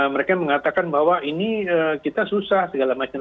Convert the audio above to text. mereka mengatakan bahwa ini kita susah segala macam